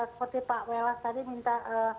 seperti pak welas tadi minta